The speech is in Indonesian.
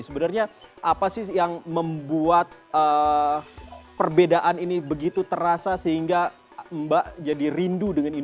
sebenarnya apa sih yang membuat perbedaan ini begitu terasa sehingga mbak jadi rindu dengan ibu